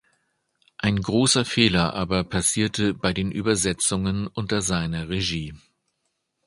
Ein großer Fehler aber passierte bei den Übersetzungen unter seiner Regie.